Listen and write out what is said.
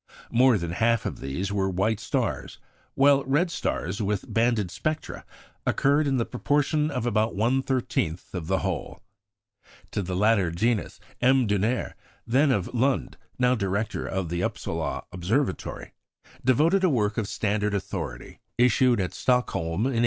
More than half of these were white stars, while red stars with banded spectra occurred in the proportion of about one thirteenth of the whole. To the latter genus, M. Dunér, then of Lund, now Director of the Upsala Observatory, devoted a work of standard authority, issued at Stockholm in 1884.